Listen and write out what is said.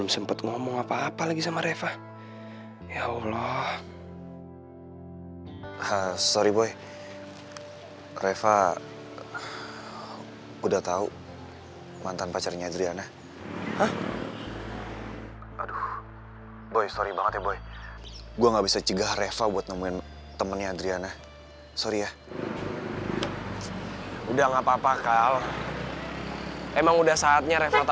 sampai jumpa di video selanjutnya